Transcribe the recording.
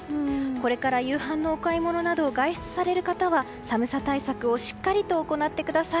これから夕飯のお買い物など外出される方は寒さ対策をしっかりと行ってください。